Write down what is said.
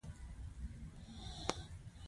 ښایست د فکر او خیال ښایست دی